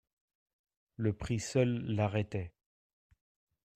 Le prix seul l'arrêtait.